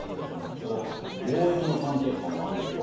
だからやっぱ貿易の関係とかもあるんですか。